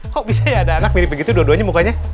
kok bisa ya ada anak mirip begitu dua duanya mukanya